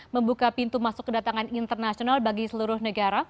membuka pintu masuk kedatangan internasional bagi seluruh negara